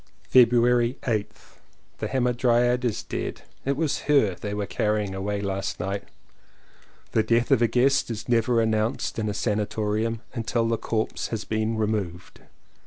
February 8th. The Hamadryad is dead. It was her they were carrying away last night. The death of a guest is never announced in a sanatorium until the corpse has been removed.